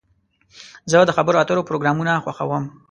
زه د خبرو اترو پروګرامونه خوښوم.